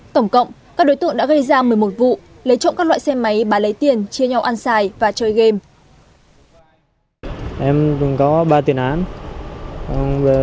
tổng cộng các đối tượng đã gây ra một mươi một vụ lấy trộm các loại xe máy bán lấy tiền chia nhau ăn xài và chơi game